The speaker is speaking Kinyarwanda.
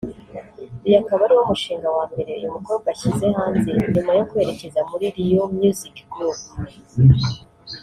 uyu akaba ariwo mushinga wa mbere uyu mukobwa ashyize hanze nyuma yo kwerekeza muri Real music group